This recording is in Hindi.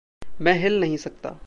मैं हिल नहीं सकता।